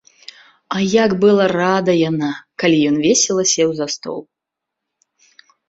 А як была рада яна, калі ён весела сеў за стол.